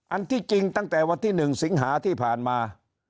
อันที่จริงตั้งแต่วันที่๑สิงหาที่ผ่านมา